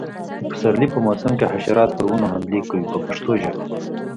د پسرلي په موسم کې حشرات پر ونو حملې کوي په پښتو ژبه.